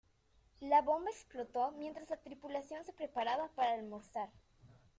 La bomba explotó mientras la tripulación se preparaba para almorzar.